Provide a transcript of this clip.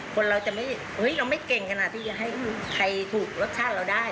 คนเราจะไม่เราไม่เก่งขนาดที่จะให้ใครถูกรสชาติเราได้